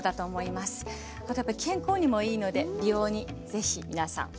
あとやっぱり健康にもいいので美容に是非皆さん。